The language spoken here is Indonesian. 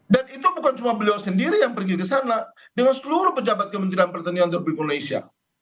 dan itu bukan cuma beliau sendiri yang pergi ke sana dengan seluruh pejabat kementerian pertanian republik indonesia